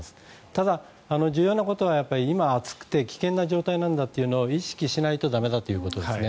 ただ、重要なことは今暑くて危険な状態なんだというのを意識しないと駄目だということですね。